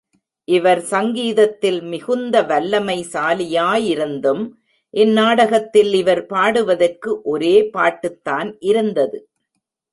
இவர் சங்கீதத்தில் மிகுந்த வல்லமைசாலியாயிருந்தும் இந்நாடகத் தில் இவர் பாடுவதற்கு, ஒரே பாட்டுதான் இருந்தது.